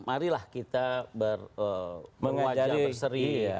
marilah kita berwajah berseri